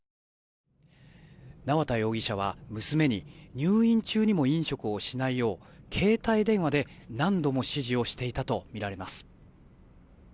縄田容疑者は娘に入院中にも飲食をしないよう携帯電話で何度も指示をしていたとみられます。